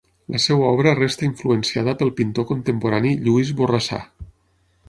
La seva obra resta influenciada pel pintor contemporani Lluís Borrassà.